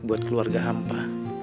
buat keluarga hamba